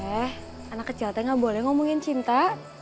eh anak kecil teh nggak boleh ngomongin cinta